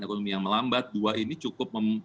ekonomi yang melambat dua ini cukup